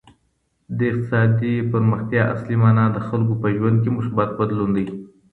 د اقتصادي پرمختيا اصلي مانا د خلګو په ژوند کي مثبت بدلون دی.